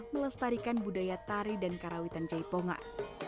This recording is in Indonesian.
melestarikan budaya tari dan karawitan jaipongan